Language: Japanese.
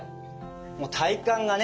もう体幹がね